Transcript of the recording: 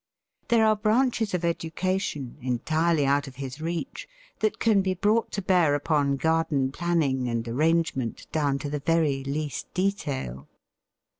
There are branches of education entirely out of his reach that can be brought to bear upon garden planning and arrangement down to the very least detail.